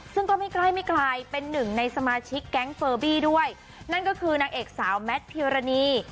ซึ่งก็ไม่ใกล้ไม่ไกลเป็นหนึ่งในสมาชิกแก๊งเฟอร์บี้ด้วยนั่นก็คือนางเอกสาวแมทพิวรณี